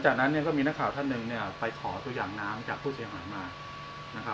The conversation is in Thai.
เพราะฉะนั้นก็มีหน้าข่าวท่านหนึ่งไปขอตัวอย่างน้ำจากผู้เศรษฐภัยมาก